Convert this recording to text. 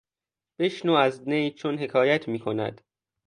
بشنو از نی چون حکایت میکند